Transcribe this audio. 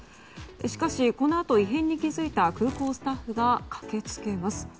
しかし、このあと異変に気付いた空港スタッフが駆けつけます。